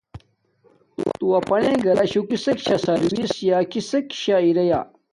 تو اپناءݵ گراشوہ کسک شاہ سروس سیں یا کسک شہ اریا